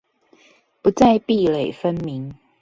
不再壁壘分明